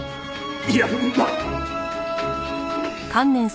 いや！